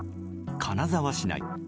金沢市内。